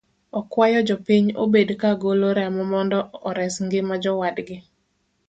Okuayo jopiny obed ka golo remo mondo ores ngima jowadgi.